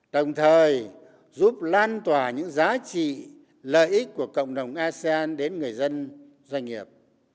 đồng thời giúp lan tỏa những giá trị lợi ích của cộng đồng asean đến người dân doanh nghiệp